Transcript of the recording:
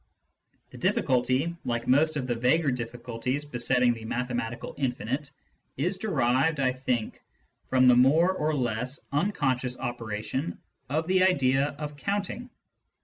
The diflliculty, like most of the vaguer diflliculties besetting the mathematical infinite, is derived, I think, from the more or less unconscious operation of the idea of counting.